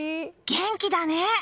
元気だね！